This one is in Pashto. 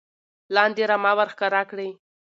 لاندې رمه ور ښکاره کړي